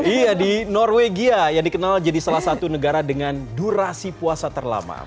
iya di norwegia yang dikenal jadi salah satu negara dengan durasi puasa terlama